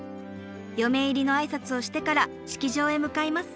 嫁入りの挨拶をしてから式場へ向かいます。